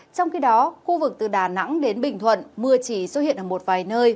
trong khi đó khu vực từ đà nẵng đến bình thuận mưa chỉ xuất hiện ở một vài nơi